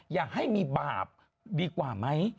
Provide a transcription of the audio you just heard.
อย่าให้มีบาปดีกว่าไหม